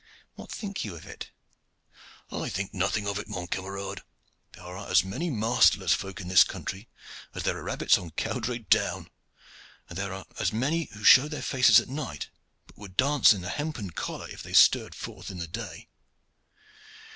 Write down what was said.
What think you of it?" "I think nothing of it, mon camarade! There are as many masterless folk in this country as there are rabbits on Cowdray Down, and there are many who show their faces by night but would dance in a hempen collar if they stirred forth in the day.